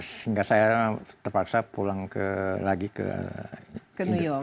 sehingga saya terpaksa pulang lagi ke new york